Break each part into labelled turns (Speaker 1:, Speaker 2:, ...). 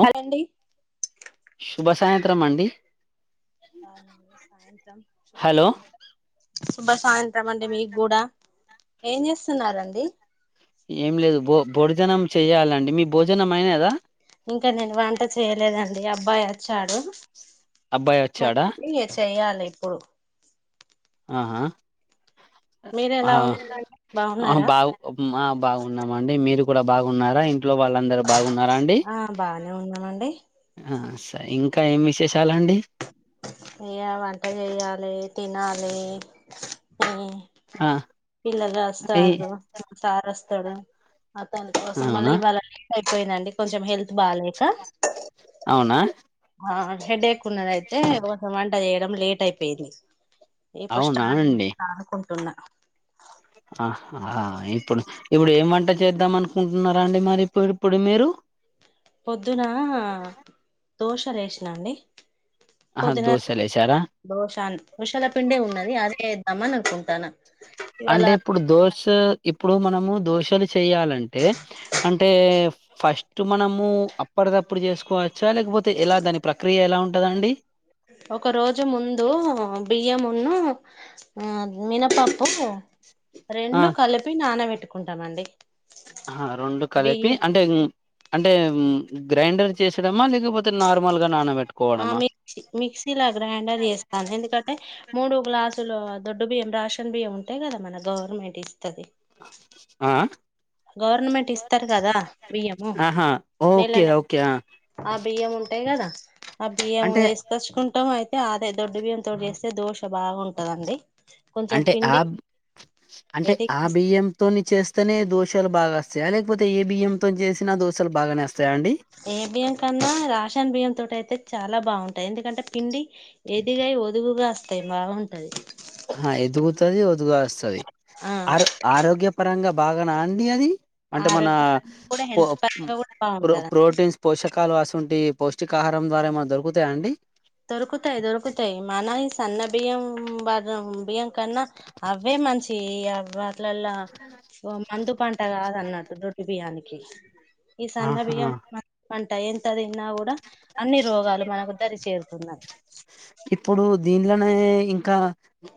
Speaker 1: Hi అండి
Speaker 2: శుభసాయంత్రం అండి
Speaker 1: అవునండి
Speaker 2: హలో
Speaker 1: శుభసాయంత్రం అండి మీకు కూడా ఏం చేస్తున్నారండి
Speaker 2: ఏం లేదు భో భోజనం చెయ్యాలండి మీ భోజనం అయినదా
Speaker 1: ఇంకా నేను వంట చేయలేదండి అబ్బాయి వచ్చాడు
Speaker 2: అబ్బాయి
Speaker 1: అ
Speaker 2: వచ్చాడా
Speaker 1: చెయ్యాలి ఇప్పుడు
Speaker 2: ఆహా
Speaker 1: మీరు ఎలా ఉన్నారండి
Speaker 2: ఆ
Speaker 1: బాగున్నారా
Speaker 2: బాగు ఆ బాగున్నాము అండి మీరు బాగున్నారా ఇంట్లో వాళ్ళందరుూ బాగున్నారా అండి
Speaker 1: ఆ బానే ఉన్నామండి
Speaker 2: ఆహా ఇంకా ఏం విశేషాలండి
Speaker 1: అ వంట చెయాలి తినాలి
Speaker 2: ఆ
Speaker 1: పిల్లలు
Speaker 2: ఏ
Speaker 1: వస్తారు మా సారు వస్తాడు అతని కోసం మళ్ళీ
Speaker 2: అవునా
Speaker 1: ఇవ్వాళ లేట్ అయిపోయిందండి కొంచెం హెల్త్ బాలేక
Speaker 2: అవునా
Speaker 1: ఆ హెడేక్ ఉన్నదయితే కొంచెం వంట చేయడం లేట్ అయిపోయింది ఏ ఫస్ట్
Speaker 2: అవునా
Speaker 1: అనుకుంటున్నా
Speaker 2: ఆ ఇప్పుడు ఇప్పుడు ఏం వంట చేద్దాం అనుకుంటున్నారా అండి మరి ఇప్పు ఇప్పుడు మీరు
Speaker 1: పొద్దున దోశలు వేసినాండి
Speaker 2: ఆహా
Speaker 1: పొద్దుగాల
Speaker 2: దోశలేసారా
Speaker 1: దోష విషాల పిండే ఉన్నది అదే వద్దామని అనుకుంటాను
Speaker 2: అంటే ఇప్పుడు దోష్ ఇప్పుడు మనము దోషలు చేయాలంటే అంటే ఫస్ట్ మనము అప్పటి తప్పుడు చేసుకోవచ్చా లేకపోతే ఎలా దాని ప్రక్రియ ఎలా ఉంటదండి
Speaker 1: ఒక రోజు ముందు బియ్యమును మినపప్పు
Speaker 2: ఆ
Speaker 1: రెండు కలిపి నానబట్టుకుంటామండి
Speaker 2: ఆ రెండు కలిపి అంటే అంటే అంటే గ్రైండర్ చేయడమా లేకపోతే నార్మల్ గా నానబెట్టడమా
Speaker 1: ఆ మిక్సీ మిక్సీ లా గ్రైండర్ చేస్తాను ఎందుకంటే మూడు గ్లాసు లా దొడ్డు బియ్యం రేషన్ బియ్యం ఉంటాయి కదా మన గవర్నమెంట్ ఇ
Speaker 2: ఆఆ
Speaker 1: గవర్నమెంట్ ఇస్తారు కదా బియ్యము
Speaker 2: ఆహా
Speaker 1: నెల
Speaker 2: ఓకే
Speaker 1: నెల
Speaker 2: ఓకే ఆ
Speaker 1: ఆ బియ్యం ఉంటాయి కదా ఆ బియ్యం
Speaker 2: అంటే
Speaker 1: వేసుకచ్చుకుంటాం అయితే అదే దొడ్డు బియ్యం తో చేస్తే దోశ బాగా ఉంటదండి
Speaker 2: అంటే ఆ అంటే ఆ
Speaker 1: ఎదిగా
Speaker 2: బియ్యంతోని చేస్తేనే దోష లు బాగా వస్తాయ లేకపోతే ఏ బియ్యం తో చేసినా దోషాలు బాగనే వస్తాయ
Speaker 1: ఏ బియ్యం కన్నా రేషన్ బియ్యం తోటి అయితే చాలా బాగుంటాయి ఎందుకంటే పిండి ఎదిగి వదుగుగా వస్తాయి బాగుంటది
Speaker 2: ఆ ఎదుగుతది వదుగు వస్తది ఆ ఆరోగ్య పరంగా బాగానా అండి అది అంటే మన
Speaker 1: ఆరోగ్య పరంగా కూడా హెల్త్ పరంగా కూడా బాగుంటది
Speaker 2: ప్రోటీన్స్ పోషకాలు అలాంటివి పౌష్టికా ఆహారం ద్వారా ఏమన్నా దొరుకుతాయా అండి
Speaker 1: దొరుకుతాయి దొరుకుతాయి మన సన్న బియ్యం కన్నా అవ్వే మంచివి ఇగా ఆవి వడ్లల్లా మందు పంట కాదన్నట్టు దొడ్డు బియ్యానికి ఈ సన్న
Speaker 2: ఆహా
Speaker 1: బియ్యం పంట ఎంత తిన్నా కూడా అన్ని రోగాలు మనకు దరి చేరుతాయి మ్మ్ హ్ ఉన్నాయ్
Speaker 2: ఇలనే ఇంకా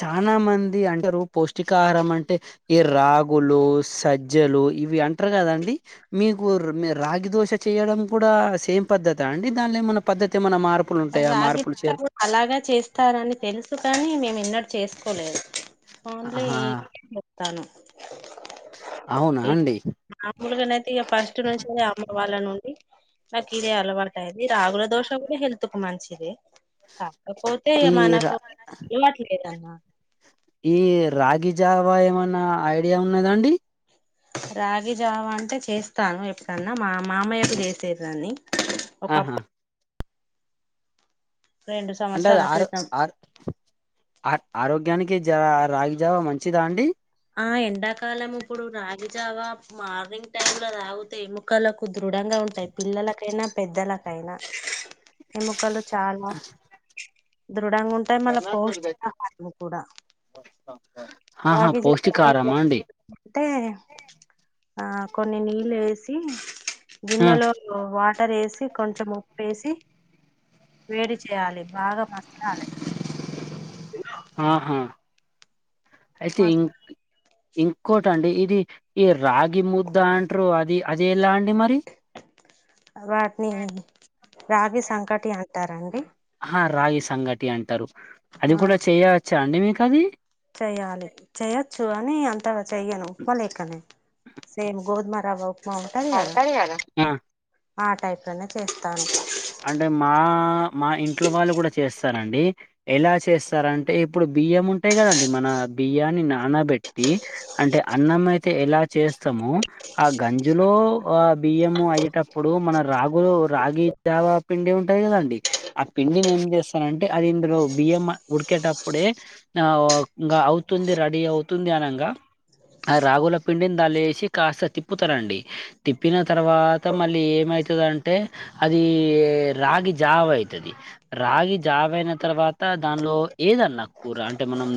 Speaker 2: చాలా మంది అంటే పౌష్టికాహారం అంటే ఈ రాగులు సజ్జలు ఇవి అంటారు కదండి మీకు రాగి దోశ చేయడం కూడా సేమ్ పద్దత అండి దానిలో ఏమన్నా పద్దతి ఏమైనా మారుతదా
Speaker 1: రాగి దోష అలాగే చేస్తారని తెలుసు కానీ మేము ఎన్నడు చేసుకోలేదు ఓన్లీ
Speaker 2: ఆహా
Speaker 1: ఇవ్వే చెత్తన్నం
Speaker 2: అవునా అండి
Speaker 1: మామూలుగానయితే ఇక ఫస్ట్ నుంచి అమ్మ వాళ్ళ నుంచి నా కిదే అలవాటయింది రాగుల దోష కూడా హెల్త్ కు మంచిది కాకపోతే
Speaker 2: ఈ రా
Speaker 1: మనకు ఇవ్వే అలవాటు
Speaker 2: ఈ రాగి జావా ఏమన్నా ఐడియా ఉన్నదా అండి
Speaker 1: రాగి జావ అంటే చేస్తాను ఎప్పుడన్నా మా మామయ్యకు చేసేదాన్ని
Speaker 2: ఆహా
Speaker 1: ఒకప్పుడు రెండు
Speaker 2: అంటే
Speaker 1: సంవత్సరాల
Speaker 2: అది
Speaker 1: క్రితం
Speaker 2: ఆరోగ్యానికి రాగి జావా మంచిదా అండి
Speaker 1: ఆ ఎండాకాలం ఇప్పుడు రాగిజావా మార్నింగ్ టైమ్ లో తాగితే ఎముకలకు దృఢంగా ఉంటాయి పిల్లలకైనా పెద్దలకైనా ఎముకలు చాలా దృడంగా ఉంటాయి మళ్ళ పౌష్టికాహారం కూడా
Speaker 2: ఆహా
Speaker 1: రాగి జావా అట్లా
Speaker 2: పౌష్టికారమా
Speaker 1: రోజు
Speaker 2: అండి
Speaker 1: తీసుకుంటే ఆ కొన్ని నీళ్ళేసి
Speaker 2: ఆ
Speaker 1: గిన్నెలో వాటర్ ఏసి కొంచెం ఉప్పేసి వేడి చేయాలి బాగా మసలాలి
Speaker 2: ఆహా అయితేే
Speaker 1: మస
Speaker 2: ఇం కోకటి ఇది ఈ రాగి ముద్ద అంటారు అది అది ఎలా అండి మరి
Speaker 1: వాటిని రాగి సంకటి అంటారండి
Speaker 2: ఆ రాగి సంకటి అంటారు అది
Speaker 1: ఆ
Speaker 2: కూడా చేయవచ్చా అండి మీకు అది
Speaker 1: చెయ్యాలి చెయొచ్చు అని అంత ట చెయ్యను ఉప్మ లెక్కనే సేమ్ గోదుమ రవ్వ ఉక్మ
Speaker 2: ఉంటది గదా
Speaker 1: ఆ టైప్ లోనే చేస్తాను
Speaker 2: అంటే మా మా ఇంట్లో వాళ్ళు కూడా చేస్తారండి ఎలా చేస్తారంటే ఇప్పుడు బియ్యం ఉంటాయి కదండి మన బియ్యాన్ని నానబెట్టి అంటే అన్నం అయితే ఎలా చేస్తమో ఆ గంజెలో ఆ బియ్యము అయ్యెటప్ ఇప్పుడు మన రాగులు రాగి జావా పిండి ఉంటది కదండి ఆ పిండిని ఏం చేస్తానంటే అది ఇందులో బియ్యం ఉడికేటప్పుడే అవ్ ఇంగ అవుతుంది రెడీ అవుతుంది అనంగా ఆ రాగుల పిండిని దాల్లో ఏసి కాస్త తిప్పుతరండి తిప్పిన తర్వాత మళ్ళీ ఏమై అయితదంటే అదీ రాగి జావ అయితది రాగి జావ అయిన తర్వాత దానిలో ఈ ఏదన్నా కూర అంటే మనం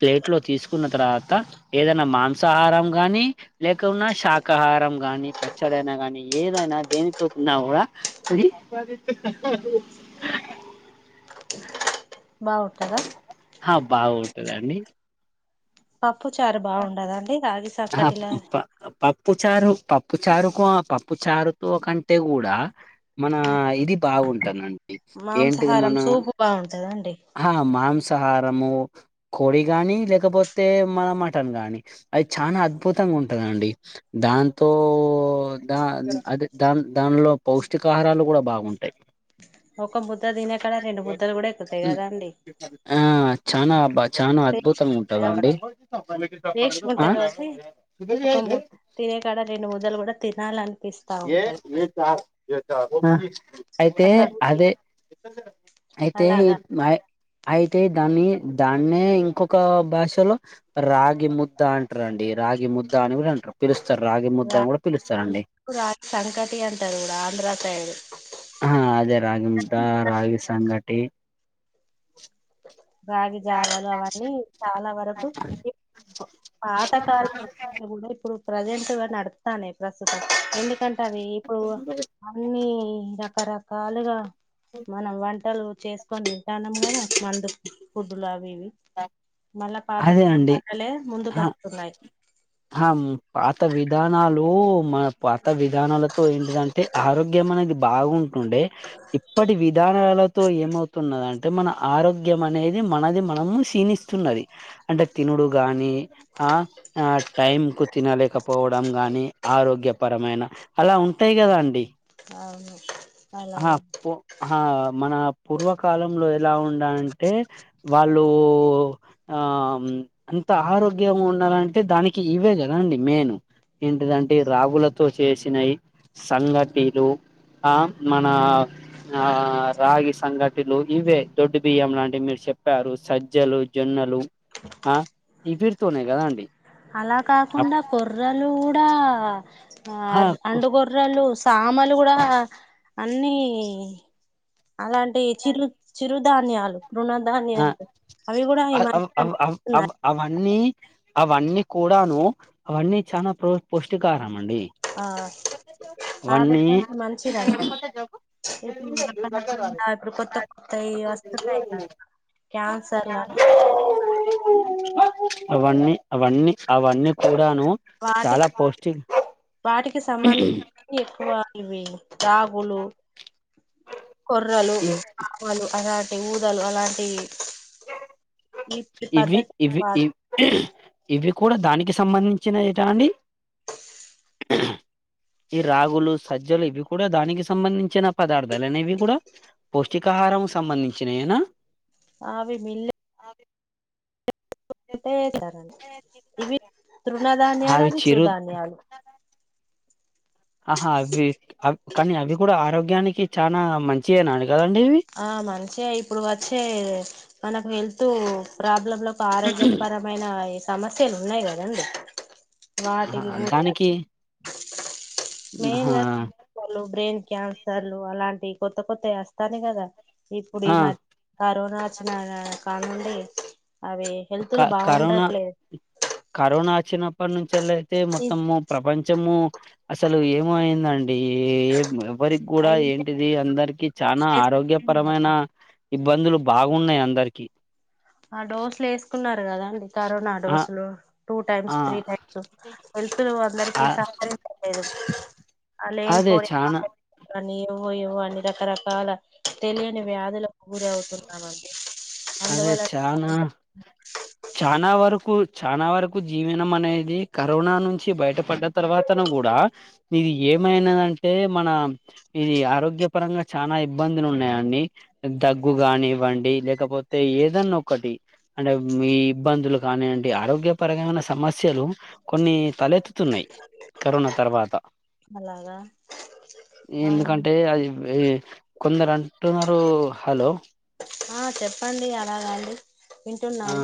Speaker 2: ప్లేట్ లో తీసుకున్న తర్వాత ఏదన్నా మాంసాహారం గానీ లేకున్నా శాకాహారం గాని పచ్చడైనా గానీ ఏదైనా దేనితో తిన్నా కూడా ఇది అప్ప జెత్తె తగ్గను
Speaker 1: బావుంటదా
Speaker 2: బావుంటదండి
Speaker 1: పప్పు చారు బావుండదా అండి రాగి
Speaker 2: ఆ
Speaker 1: సంకటిలా
Speaker 2: ప పప్పు చారు పప్పు చారుకో పప్పు చారుతో కంటే గూడా మన ఇది బాగుంటనండి ఏంటిది
Speaker 1: మాంసాహారం
Speaker 2: మన
Speaker 1: సూపు బాగుంటదండి
Speaker 2: హ మాంస హారము కోడి గానీ లేకపోతే మన మటన్ గాని అది చానా అద్భుతం ఉంటందండి దాంతో దా అదే దాన్ దానిలో పౌష్టికాహారం దాన్లో కూడా బాగుంటాయి
Speaker 1: ఒక ముుద్ద తినే కాడ రెండు ముుద్దలు కూడా ఎక్కదు
Speaker 2: ఉ ఆ చానా బా చానా అద్భుతంగ ఉంటదండి
Speaker 1: టేస్ట్
Speaker 2: ఆ
Speaker 1: ఉంటాయి కాబట్టి ఒక ముద్ద తినే కాడ రెండు ముద్దలు కూడా తినాలని
Speaker 2: అయితే
Speaker 1: అట్లా
Speaker 2: అదే అయితే
Speaker 1: అలాగా
Speaker 2: మై అయితే దాన్ని దాన్నే ఇంకొక భాషలో రాగి ముద్ద అంటరండి రాగి ముద్ద అని గూడా అంటర్రు పిలుస్తరు రాగి ముద్ద అని గూడా పిలుస్తారండి
Speaker 1: రాగి సంకటి అంటారు కూడా ఆంధ్ర సైడ్
Speaker 2: ఆ అదే రాగి ముద్ద రాగి సంగటి
Speaker 1: రాగి జావాలు అవన్నీ చాలా వరకు పాత కాలం ఇప్పుడు ప్రెంసెటు నడుతనయ్ ప్రస్తుతం ఎండి సొంతవి ఇప్పుడు అన్నీ రకరకాలుగా మనం వంటలు చేసుకొని తింటాన్నాం గద మందు కి ఫుడ్ లాగా ఇవి మళ్ళా పాత
Speaker 2: అదే
Speaker 1: కాలం వంటలే ముందుకు వస్తున్నాయి
Speaker 2: హమ్ పాత విధానాలు లో మన పాత విధానాలతో ఏంటిదంటే ఆరోగ్యం అనేది బాగుం టుండే ఇప్పటి విధానాలతో ఏమవుతున్న అంటే మన ఆరోగ్యం అనేది మనది మనం క్షినిస్తున్నది అంటే తినుడు గాని ఆ ఆ టైం కు తినలేకపోవ వ్వడం గాని ఆరోగ్యపరమైన అలా ఉంటాయి గదా అండి
Speaker 1: అవును
Speaker 2: ఆ
Speaker 1: అలానే
Speaker 2: ఆహా మన పూర్వకాలంలో ఇలా ఉండా అంటే వాళ్ళు ఆమ్ అంత ఆరోగ్యం ఉండాలంటే దానికి ఇవే కదా అండి మేను ఎంటిదిదంటే రాగులతో చేసినవి సంగటీలు ఆ మనా ఆ రాగి సంగటిలు ఇవే దొడ్డు బియ్యం లాంటివి మీరు చెప్పారు సజ్జలు జొన్న నలు ఆ ఈ వీరుతోనే కదా అండి
Speaker 1: అలా కాకుండా కొర్రలు కూడా ఆ అండుగొర్రాలు సామాలు గూడా అన్ని అలాంటీ చిరు చిరుధాన్యాలు
Speaker 2: ఆ
Speaker 1: తృణధాన్యాలు అవి కూడా ఈ
Speaker 2: అవ్
Speaker 1: మధ్య
Speaker 2: అవ్ అవ్ అవ్
Speaker 1: నడుస్తున్నాయి
Speaker 2: అవన్నీ అవన్నీ కూడాను అవన్నీ చానా పుష్టికాహం
Speaker 1: ఆ
Speaker 2: అవన్నీ
Speaker 1: ఆరోగ్యానికి మంచిదండి ఇప్పుడు ఎక్కనకుండా ఇప్పుడు కొత్త కొత్తయి వస్తున్నాయి కదా క్యాన్సర్లని
Speaker 2: అవన్నీ అవన్నీ అవన్నీ కూడాను చాలా
Speaker 1: వాటికి
Speaker 2: పౌష్టి
Speaker 1: వాటికి సంబంధి ని ఎక్కువ ఇవి రాగులు కొర్రలు
Speaker 2: ఇవి
Speaker 1: [inaudible] అలాంటి ఊ దలు అలాంటి
Speaker 2: ఇవి ఇవి ఇ ఇవి కూడా దానికి సంబంధించిన ఏట అండి ఈ రాగులు సజ్జలు ఇవి కూడా దానికి సంబంధించిన పదార్థాలేన ఇవి కూడా పౌష్టికాహా ఆరం సంబంధించినైనా
Speaker 1: ఆవి మిల్లే టేసర ఇవి తృణధాన్యాలు అవి చుధాన్యాలు
Speaker 2: ఆహా అవి అ కానీ అవి కూడా ఆరోగ్యానికి చాలా మంచియేనా కదండి ఇవి
Speaker 1: ఆ మంచిగా ఇప్పుడు వచ్చే మనకు వెల్తు ప్రాబ్లం లో ఆరోగ్యపరమైన సమస్యలు ఉన్నాయి గదండి
Speaker 2: దానికి
Speaker 1: మెయిన్
Speaker 2: ఆహా
Speaker 1: గా బ్రెయిన్ క్యాన్సర్లు అలాంటివి కొత్త కొత్తవి అస్తాని కదా ఇప్పుడు ఈ
Speaker 2: ఆ
Speaker 1: మద్ కరోనా వచ్చిన కాల నుండి అవి
Speaker 2: క
Speaker 1: హెల్త్లు బాగుండట్లేదు
Speaker 2: చినప్పటి నుంచెళ్లైతే మొత్తము ప్రపంచము అసలు ఏమో అయిందండి ఏం ఎవరికి గూడా ఏంటిది అందరికి చానా ఆరోగ్యపరమైన ఇబ్బందులు బాగున్నాయి అందరికి
Speaker 1: ఆ డోస్లేస్ న్నారు కదాండి కరోనా
Speaker 2: ఆ
Speaker 1: డోసులు టూ టైమ్స్
Speaker 2: ఆ
Speaker 1: త్రీ టైమ్స్ హెల్తులు అందరికి అంత లేదు అ లే
Speaker 2: అదే
Speaker 1: పోడె
Speaker 2: చానా
Speaker 1: [inaudible] కాని ఏవో ఏవో అని రకరకాల తెలియని వ్యాధులకు గురి అవుతున్నామండి
Speaker 2: అదే
Speaker 1: అందువళ
Speaker 2: చానా చానా వరకు చానా వరకు జీవనం అనేది కరోనా నుంచి బయటపడ్డ తర్వాతను గూడా ఇది ఏ ఏమైనదంటే మన ఇది ఆరోగ్య పరంగా చానా ఇబ్బందులు ఉన్నయండి గానివ్వండి లేకపోతే ఏదన్న ఒకటి అంటే మీ ఇబ్బందులు కానియండి ఆరోగ్యపరమైన సమస్యలు కొన్ని తలెత్తుతున్నయి కరోనా తర్వాత
Speaker 1: అలాగా
Speaker 2: ఎందుకంటే
Speaker 1: అవునండి.
Speaker 2: అది కొందరు అంటున్నారు హలో
Speaker 1: ఆ చెప్పండి అలాగా అండి
Speaker 2: ఆ
Speaker 1: వింటున్నాను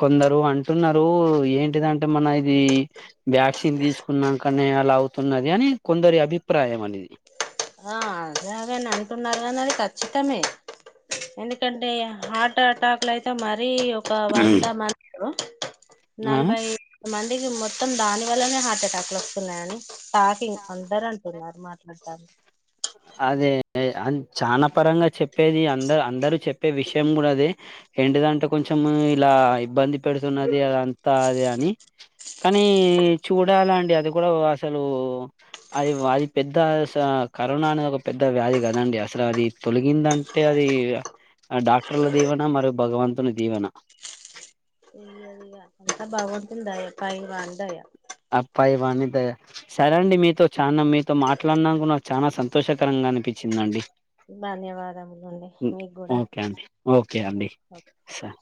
Speaker 2: కొందరు అం టున్నారు ఏంటిదంటే మన ఇది వ్యాక్సిన్ తీసుకున్నాకనే అలా అవుతున్నది అని కొందరి అభిప్రాయం అనేది
Speaker 1: ఆ అదే అగని అంటున్నారు అన్నది ఖచ్చితమే ఎందుకంటే హార్ట్ అటాక్లో అయితే మ మరి ఒక వంద మందిలో
Speaker 2: ఆ
Speaker 1: నలభై [inaudible] మొత్తం దాని వల్లనే హార్ట్ అటాక్లు వస్తున్నాయని టాకింగ్ అందరు అంటున్నారు మాట్లాడతాని
Speaker 2: అదే అన్ చానా పరంగా చెప్పేది అంద అందరూ చెప్పే విషయం గుడ అదే ఏంటిదంటే కొంచెం ఇలా ఇబ్బంది పెడుతున్నది అదంతా అది అని కానీ చూడాలండి అది కూడా అసలు అది అది పెద్ద సా కరోనా అనేది ఒక పెద్ద వ్యాధి కదండి అసలు అది తొలగిందంటే అది ఆ డాక్టర్ల దీవెన మరియు భగవంతుని దీవెన
Speaker 1: దయా అంత భగవంతుని దయ పైవాని దయ
Speaker 2: ఆ పైవాని దయ సరే అండి మీతో చానా మీతో మాట్లాడి నాకు చానా సంతోషకరంగా అనిపించిందండి
Speaker 1: ధన్యవాదములండి మీకు కూడా
Speaker 2: ఓకే అండి ఓకే అండి స